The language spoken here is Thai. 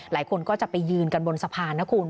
หลายคนก็จะไปยืนกันบนสะพานนะคุณ